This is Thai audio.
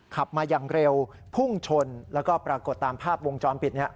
ขับมาอย่างเร็วพุ่งชนแล้วก็ปรากฏตามภาพวงจรปิด